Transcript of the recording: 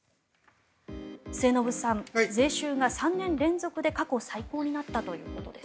末延さん、税収が３年連続で過去最高になったということです。